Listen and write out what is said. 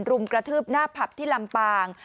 รุมกระทืบหน้าผับที่ลำปาง